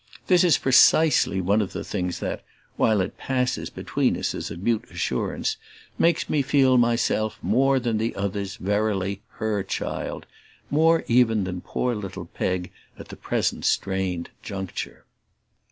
This is precisely one of the things that, while it passes between us as a mute assurance, makes me feel myself more than the others verily HER child: more even than poor little Peg at the present strained juncture.